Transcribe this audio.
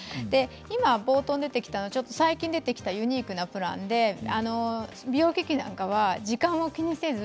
今冒頭に出てきたのは最近出てきたユニークなプランで美容機器なんかは時間を気にせず。